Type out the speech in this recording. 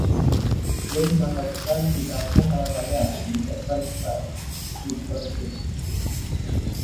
Dia dimakamkan di kampung halamannya di Evansville, Wisconsin.